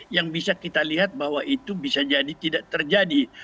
yang bisa kita lihat bahwa itu bisa jadi tidak terjadi